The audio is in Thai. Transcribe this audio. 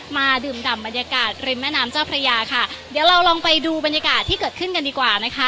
มาดื่มดำบรรยากาศริมแม่น้ำเจ้าพระยาค่ะเดี๋ยวเราลองไปดูบรรยากาศที่เกิดขึ้นกันดีกว่านะคะ